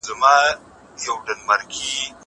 زه له سهاره د کتابتون لپاره کار کوم!